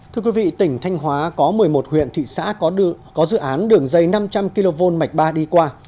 thưa quý vị tỉnh thanh hóa có một mươi một huyện thị xã có dự án đường dây năm trăm linh kv mạch ba đi qua